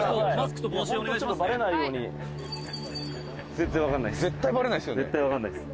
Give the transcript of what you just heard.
「全然わからないです」